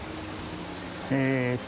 えっと